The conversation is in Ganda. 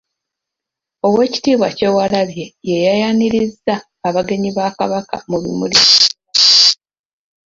Oweekitiibwa Kyewalabye y'eyayanirizza abagenyi ba Kabaka mu bimuli bya Bulange.